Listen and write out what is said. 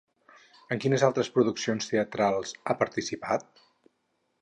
En quines altres produccions teatrals ha participat?